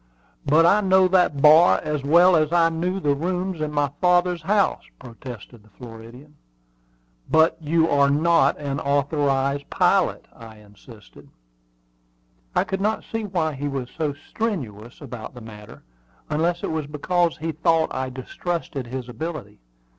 "But I know that bar as well as I knew the rooms in my father's house," protested the Floridian. "But you are not an authorized pilot," I insisted. I could not see why he was so strenuous about the matter, unless it was because he thought I distrusted his ability.